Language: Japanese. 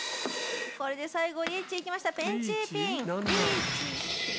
これで最後リーチいきましたペン七筒！